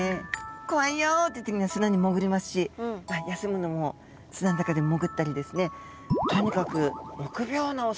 「怖いよ」って時には砂に潜りますし休むのも砂の中で潜ったりですね